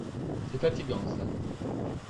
C'est fatigant ça.